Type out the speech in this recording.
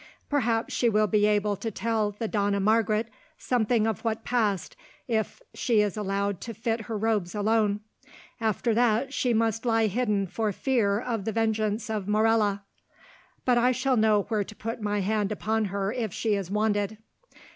Perhaps she will be able to tell the Dona Margaret something of what passed if she is allowed to fit her robes alone. After that she must lie hidden for fear of the vengeance of Morella; but I shall know where to put my hand upon her if she is wanted.